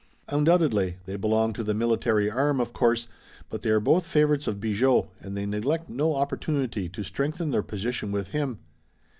"Undoubtedly. They belong to the military arm, of course, but they are both favorites of Bigot, and they neglect no opportunity to strengthen their position with him.